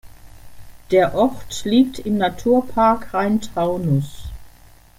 Der Ort liegt im Naturpark Rhein-Taunus.